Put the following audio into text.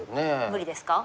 無理ですか？